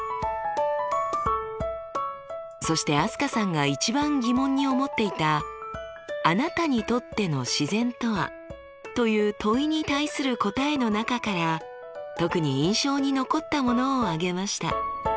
そして飛鳥さんが一番疑問に思っていた「あなたにとっての自然とは？」という問いに対する答えの中から特に印象に残ったものを挙げました。